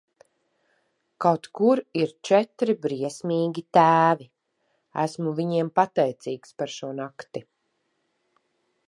Kaut kur ir četri briesmīgi tēvi, esmu viņiem pateicīgs par šo nakti.